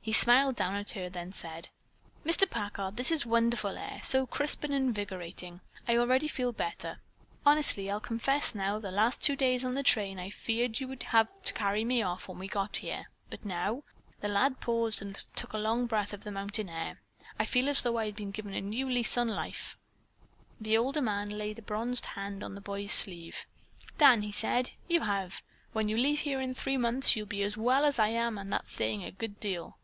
He smiled down at her and then said: "Mr. Packard, this is wonderful air, so crisp and invigorating. I feel better already. Honestly, I'll confess now, the last two days on the train I feared you would have to carry me off when we got here, but now" the lad paused and took a long breath of the mountain air "I feel as though I had been given a new lease on life." The older man laid a bronzed hand on the boy's sleeve. "Dan," he said, "you have. When you leave here in three months you'll be as well as I am, and that's saying a good deal."